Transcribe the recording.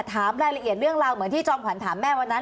ถามรายละเอียดเรื่องราวเหมือนที่จอมขวัญถามแม่วันนั้น